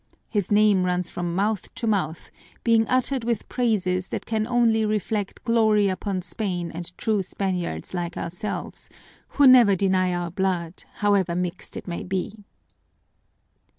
His name runs from mouth to mouth, being uttered with praises that can only reflect glory upon Spain and true Spaniards like ourselves, who never deny our blood, however mixed it may be.